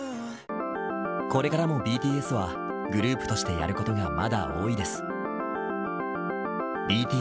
これからもＢＴＳはグループとしてやることがまだ多いです。